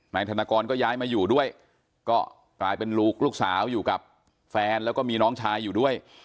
นายธนกรก็ย้ายมาอยู่ด้วยก็กลายเป็นลูกลูกสาวอยู่กับแฟนแล้วก็มีน้องชายอยู่ด้วย